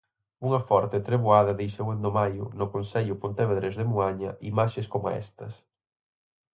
Unha forte treboada deixou en Domaio, no concello pontevedrés de Moaña, imaxes coma estas.